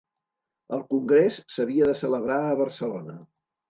El congrés s'havia de celebrar a Barcelona.